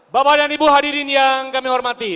bapak dan ibu hadirin yang kami hormati